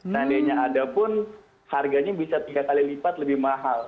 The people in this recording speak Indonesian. seandainya ada pun harganya bisa tiga kali lipat lebih mahal